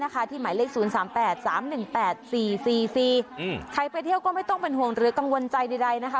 ใครไปเที่ยวก็ไม่ต้องเป็นห่วงหรือกังวลใจใดนะคะ